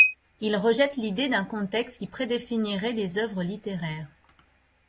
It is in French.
Il rejette l’idée d’un contexte qui prédéfinirait les œuvres littéraires.